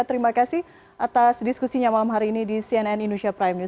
terima kasih atas diskusinya malam hari ini di cnn indonesia prime news